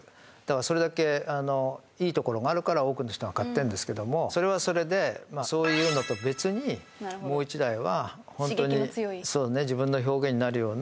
それだけいいところがあるから多くの人が買ってんですけどもそれはそれでそういうのと別にもう一台は刺激の強いそうね